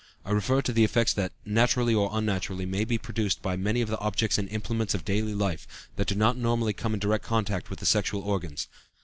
I refer to the effects that, naturally or unnaturally, may be produced by many of the objects and implements of daily life that do not normally come in direct contact with the sexual organs.